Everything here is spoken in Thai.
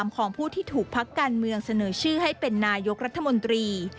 ของผู้ที่ถูกพักการเมืองเสนอชื่อให้เป็นนายกรัฐมนตรี